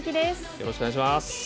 よろしくお願いします。